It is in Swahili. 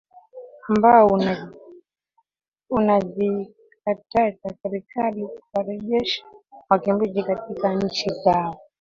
ambao unazikataza serikali kuwarejesha wakimbizi katika nchi zao